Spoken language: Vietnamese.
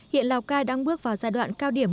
hiện lào cai đang bước vào giai đoạn nổi tiếng